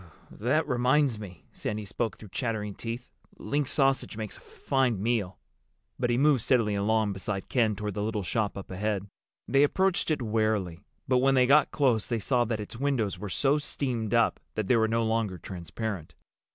"That reminds me." Sandy spoke through chattering teeth. "Link sausage makes a fine meal." But he moved steadily along beside Ken toward the little shop up ahead. They approached it warily, but when they got close they saw that its windows were so steamed up that they were no longer transparent.